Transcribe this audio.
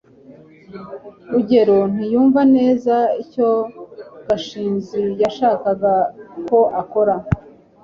rugeyo ntiyumva neza icyo gashinzi yashakaga ko akora